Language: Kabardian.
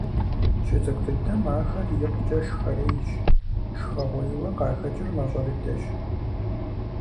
ЩыцӀыкӀу дыдэм ахэр икъукӀэ шхэрейщ, шхэгъуейуэ къахэкӀыр мащӀэ дыдэщ.